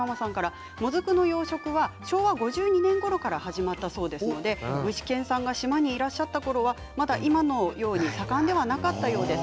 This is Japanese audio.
もずくの養殖は昭和５２年ごろから始まったそうですので具志堅さんが島にいらっしゃったころは、まだ今のように盛んではなかったようです。